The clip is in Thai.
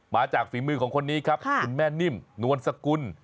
ฝีมือของคนนี้ครับคุณแม่นิ่มนวลสกุล